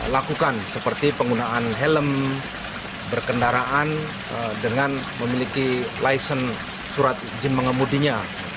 lakukan seperti penggunaan helm berkendaraan dengan memiliki licen surat izin mengemudinya